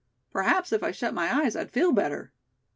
P'raps if I shut my eyes I'd feel better."